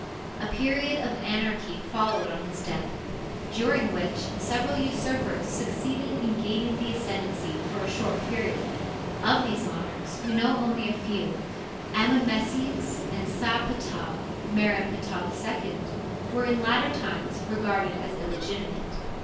A period of anarchy followed on his death, during which several usurpers succeeded in gaining the ascendency for a short period. Of these monarchs we know only a few. Amon meses and Sa Ptah, Mer en Ptah II, were in later times regarded as illegitimate.